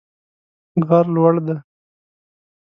غر لوړ دی